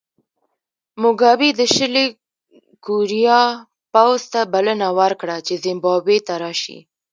موګابي د شلي کوریا پوځ ته بلنه ورکړه چې زیمبابوې ته راشي.